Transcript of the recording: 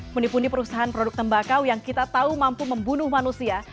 menipuni perusahaan produk tembakau yang kita tahu mampu membunuh manusia